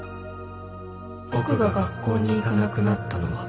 「僕が学校に行かなくなったのは」